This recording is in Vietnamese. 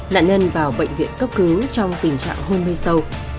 nạn nhân vào bệnh viện cấp cứu trong tình trạng hôn mê sâu